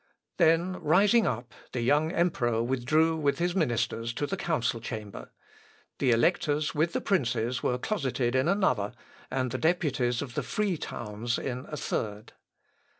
" Then rising up, the young emperor withdrew with his ministers to the council chamber: the electors with the princes were closeted in another, and the deputies of the free towns in a third.